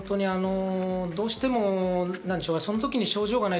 どうしてもその時に症状がない。